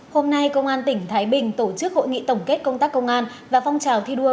hôm nay công an tỉnh thái bình tổ chức hội nghị tổng kết công tác công an và phong trào thi đua